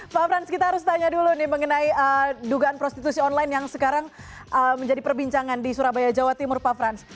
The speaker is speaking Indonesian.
pak frans kita harus tanya dulu nih mengenai dugaan prostitusi online yang sekarang menjadi perbincangan di surabaya jawa timur pak frans